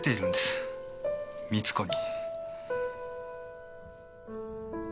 美津子に。